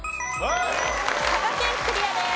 佐賀県クリアです。